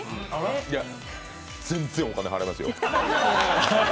いや、全然お金払いますよ。